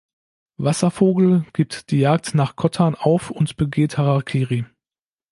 Wasservogel gibt die Jagd nach Kottan auf und begeht Harakiri.